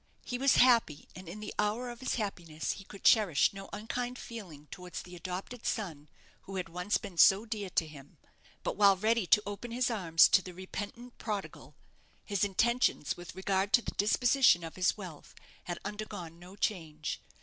He was happy, and in the hour of his happiness he could cherish no unkind feeling towards the adopted son who had once been so dear to him. But while ready to open his arms to the repentant prodigal, his intentions with regard to the disposition of his wealth had undergone no change.